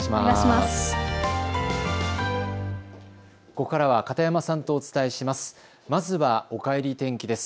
ここからは片山さんとお伝えします。